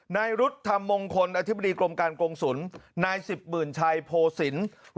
นายรุธธรรมมงคลอธิบดีกรมการกงศุลนายสิบหมื่นชัยโพศิลป์